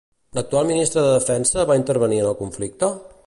L'actual ministre de defensa va intervenir en el conflicte?